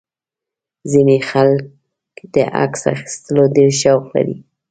ځینې خلک د عکس اخیستلو ډېر شوق لري.